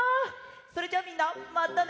それじゃあみんなまたね！